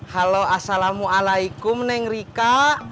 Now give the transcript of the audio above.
halo assalamualaikum neng rika